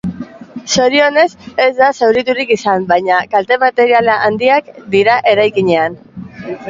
Zorionez, ez da zauriturik izan, baina kalte materialak handiak dira eraikinean.